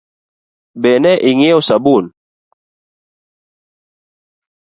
Be ne ing'iewo sabun ?